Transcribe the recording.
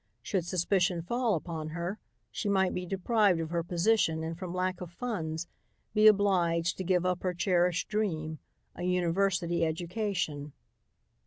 Should suspicion fall upon her, she might be deprived of her position and, from lack of funds, be obliged to give up her cherished dream, a university education.